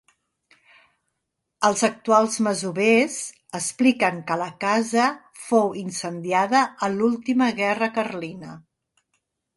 Els actuals masovers expliquen que la casa fou incendiada a l'última guerra carlina.